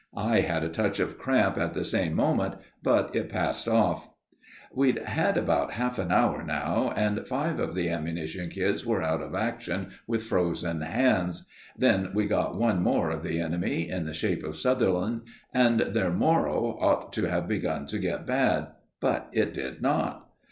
I had a touch of cramp at the same moment, but it passed off. We'd had about half an hour now, and five of the ammunition kids were out of action with frozen hands. Then we got one more of the enemy, in the shape of Sutherland, and their moral ought to have begun to get bad; but it did not.